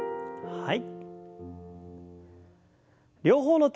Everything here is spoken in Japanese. はい。